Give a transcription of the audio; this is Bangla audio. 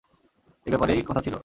এই ব্যাপারেই কথা ছিলো।